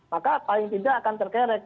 maka paling tidak akan terkerek